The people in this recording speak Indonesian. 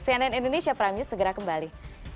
cnn indonesia prime news segera kembali